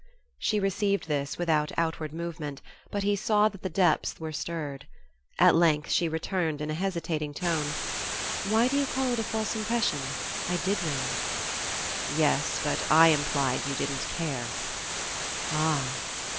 She received this without outward movement, but he saw that the depths were stirred. At length she returned, in a hesitating tone, "Why do you call it a false impression? I did know." "Yes, but I implied you didn't care." "Ah!"